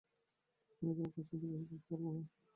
আমরা এখানে পাঁচ মিনিট বসে থাকতে পারবো না।